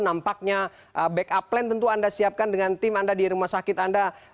nampaknya backup plan tentu anda siapkan dengan tim anda di rumah sakit anda